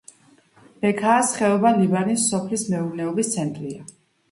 ბექაას ხეობა ლიბანის სოფლის მეურნეობის ცენტრია.